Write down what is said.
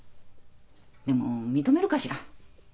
でも認めるかしら？